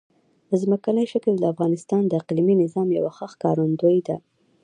ځمکنی شکل د افغانستان د اقلیمي نظام یوه ښه ښکارندوی ده.